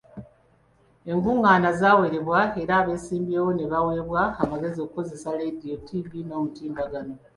Enkungaana zaawerebwa era abeesimbyewo ne baweebwa amagezi okukozesa leediyo, ttivvi n'omutimbagano.